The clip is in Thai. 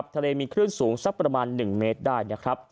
ทะเลมีคลื่นสูงสักประมาณ๑เมตรได้นะครับ